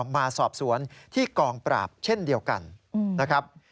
มาสอบสวนที่กองปราบเช่นเดียวกันนะครับ